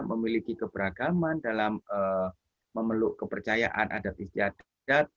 memiliki keberagaman dalam memeluk kepercayaan adat istiadat